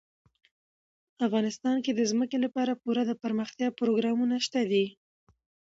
افغانستان کې د ځمکه لپاره پوره دپرمختیا پروګرامونه شته دي.